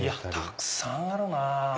たくさんあるなぁ！